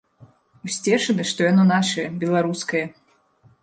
Усцешаны, што яно нашае, беларускае.